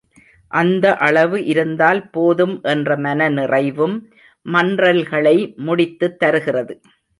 அந்த அளவு இருந்தால் போதும் என்ற மனநிறைவும் மன்றல்களை முடித்துத் தருகிறது.